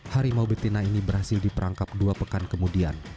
harimau betina ini berhasil diperangkap dua pekan kemudian